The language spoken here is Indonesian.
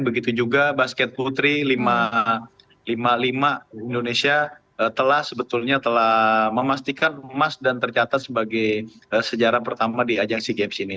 begitu juga basket putri lima puluh lima indonesia telah sebetulnya telah memastikan emas dan tercatat sebagai sejarah pertama di ajang sea games ini